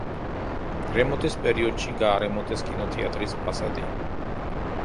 რემონტის პერიოდში გაარემონტეს კინოთეატრის ფასადი.